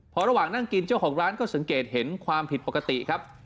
พอระหว่างนั่งกินเจ้าของร้านก็สังเกตเห็นความผิดปกติครับ